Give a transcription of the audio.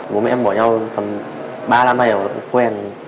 bố mẹ em bỏ nhau tầm ba năm nay rồi quen